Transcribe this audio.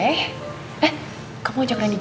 eh kamu ajak randy juga